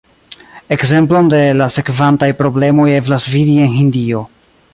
Ekzemplon de la sekvantaj problemoj eblas vidi en Hindio.